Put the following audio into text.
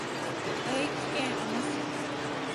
愛知県あま市